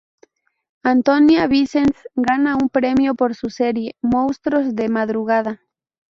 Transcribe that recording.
Antònia Vicens gana un premio por su serie "Monstruos de madrugada"